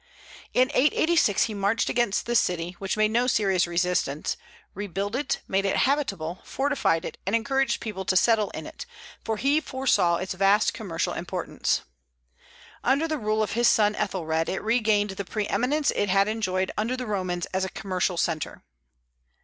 In 886 he marched against this city, which made no serious resistance; rebuilt it, made it habitable, fortified it, and encouraged people to settle in it, for he foresaw its vast commercial importance. Under the rule of his son Ethelred, it regained the pre eminence it had enjoyed under the Romans as a commercial centre.